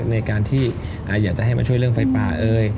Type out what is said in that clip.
ในการที่อยากจะให้มาช่วยเรื่องไฟป่าเอ่ย